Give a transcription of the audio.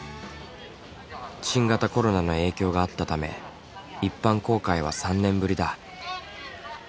新型コロナの影響があったため一般公開は３年ぶりだ。